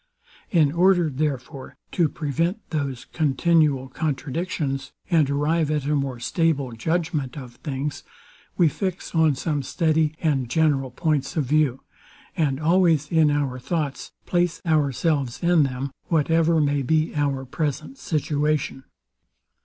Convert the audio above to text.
In order, therefore, to prevent those continual contradictions, and arrive at a more stable judgment of things, we fix on some steady and general points of view; and always, in our thoughts, place ourselves in them, whatever may be our present situation.